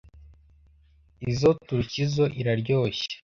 Izoi turukizoa iraryoshye.